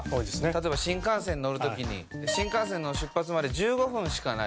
例えば新幹線乗る時に新幹線の出発まで１５分しかない。